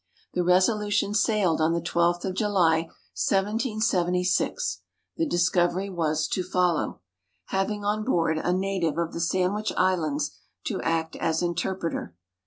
The Resolution sailed on the 12th of July, 1776 (the Discovery was to follow), having on board a native of the Sandwich Islands to act as interpreter.